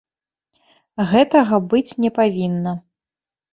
Гэтага быць не павінна.